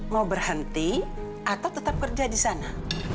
mau berhenti atau tetap kerja di sana